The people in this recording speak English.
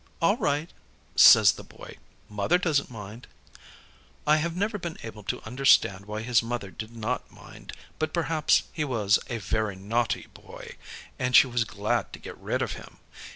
"All right," says the Boy, "mother doesn't mind." I have never been able to understand why his mother did not mind, but perhaps he was a very naughty Boy, and she was glad to get rid of him.